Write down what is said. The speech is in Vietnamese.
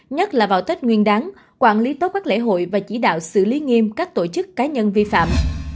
nhất là vào tết nguyên đáng quản lý tốt các lễ hội và chỉ đạo xử lý nghiêm các tổ chức cá nhân vi phạm